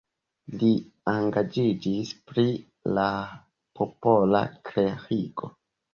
Li engaĝiĝis pri la popola klerigo.